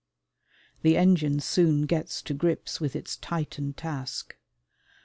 The engine soon gets to grips with its titan task.